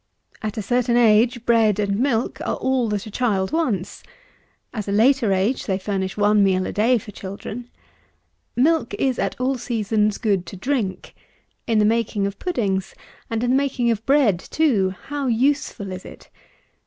At a certain age bread and milk are all that a child wants. At a later age they furnish one meal a day for children. Milk is, at all seasons, good to drink. In the making of puddings, and in the making of bread too, how useful is it!